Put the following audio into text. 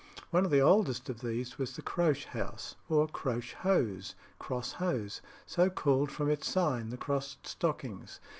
One of the oldest of these was the Croche House, or Croche Hose (Cross Hose), so called from its sign the Crossed Stockings.